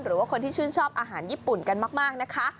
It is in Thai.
หรือว่าคนที่ชื่นชอบอาหารญี่ปุ่นกันมากนะคะ